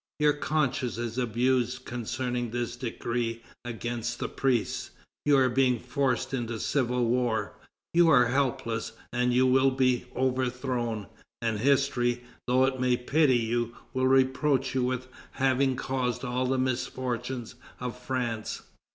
Your conscience is abused concerning this decree against the priests; you are being forced into civil war; you are helpless, and you will be overthrown, and history, though it may pity you, will reproach you with having caused all the misfortunes of France.